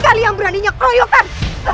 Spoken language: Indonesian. kalian beraninya koyokan